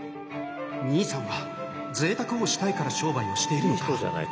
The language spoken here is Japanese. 兄さんはぜいたくをしたいから商売をしているのか？